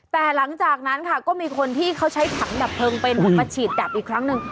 แต่หลังจากนั้นค่ะก็มีคนที่เขาใช้ถังดับเพลิงเป็นมาฉีดดับอีกครั้งหนึ่ง